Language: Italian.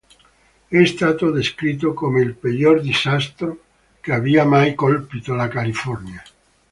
È stato descritto come il peggior disastro che abbia mai colpito la California.